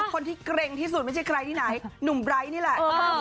คนที่เกร็งที่สุดไม่ใช่ใครที่ไหนหนุ่มไบร์ทนี่แหละ